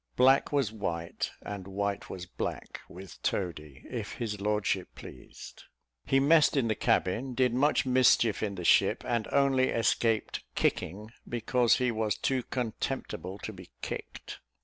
Black was white, and white was black with toady, if his lordship pleased; he messed in the cabin, did much mischief in the ship, and only escaped kicking, because he was too contemptible to be kicked.